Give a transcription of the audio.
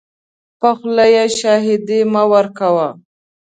په خوله یې شاهدي مه ورکوه .